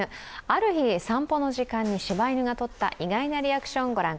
ある日、散歩の時間にしば犬がとった意外なリアクション、御覧